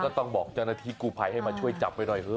ก็ต้องบอกจันนาธิกูภัยให้มาช่วยจับไว้หน่อย